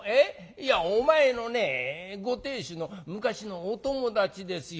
いやお前のご亭主の昔のお友達ですよ。